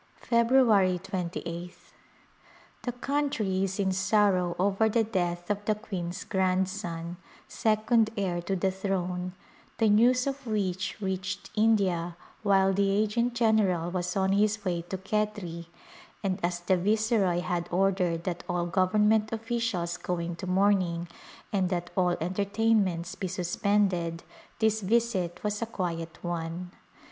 February 2Sth. The country is in sorrow over the death of the Queen's grandson, second heir to the throne, the news of which reached India while the agent general was on his way to Khetri, and as the Viceroy had ordered that all government officials go into mourning and that all entertainments be suspended, this visit was a quiet one.